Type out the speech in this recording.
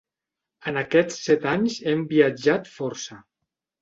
En aquests set anys hem viatjat força.